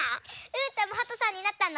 うーたんもはとさんになったの？